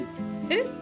えっ